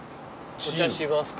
お茶しますかね。